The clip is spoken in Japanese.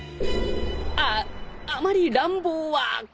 ああまり乱暴は。